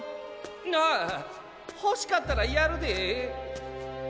あほしかったらやるで！